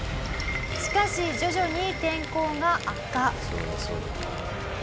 しかし徐々に天候が悪化。